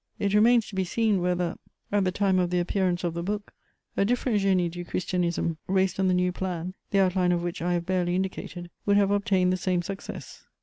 It remains to be seen whether, at the time of the appearance of the book, a different Génie du Christianisme, raised on the new plan the outline of which I have barely indicated, would have obtained the same success.